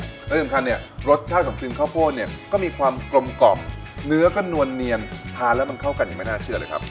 และสำคัญเนี่ยรสชาติของครีมข้าวโพดเนี่ยก็มีความกลมกล่อมเนื้อก็นวลเนียนทานแล้วมันเข้ากันยังไม่น่าเชื่อเลยครับ